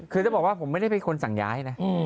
คือจะบอกว่าผมไม่ได้เป็นคนสั่งย้ายนะ